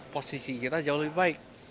posisi kita jauh lebih baik